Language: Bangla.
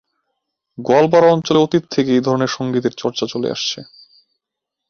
গোয়ালপাড়া অঞ্চলে অতীত থেকে এইধরনের সঙ্গীতের চর্চা চলে আসছে।